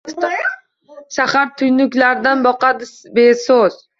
Shahar tuynuklardan boqadi beso‘z